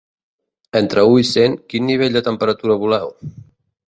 Entre u i cent, quin nivell de temperatura voleu?